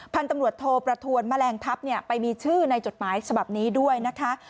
พันธุ์ตำรวจโทประทวนแมลงทัพไปมีชื่อในจดหมายฉบับนี้ด้วยนะคะ